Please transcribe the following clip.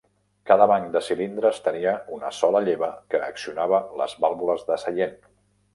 Cada banc de cilindres tenia una sola lleva que accionava les vàlvules de seient.